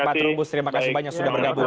pak trubus terima kasih banyak sudah bergabung